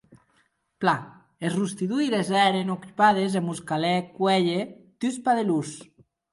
Plan, es rostidoires èren ocupades e mos calèc cuélher dus padelons.